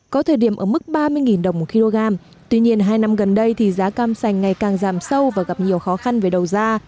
có thời điểm ở mức ba mươi đồng một kg tuy nhiên hai năm gần đây thì giá cam sành ngày càng giảm sâu và gặp nhiều khó khăn về đầu ra